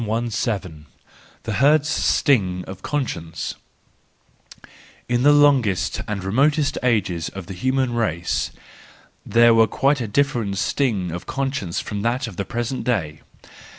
ii 7* The Herd's Sting of Conscience .—In the longest and remotest ages of the human race there was quite a different sting of conscience from that of the present day.